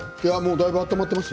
だいぶ温まっています。